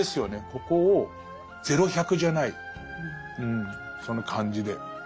ここを０１００じゃないその感じで分かりたい。